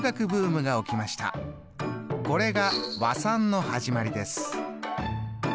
これが和算の始まりです。